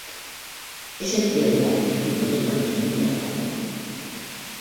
Es el tío de la actriz y modelo Emilia Drago.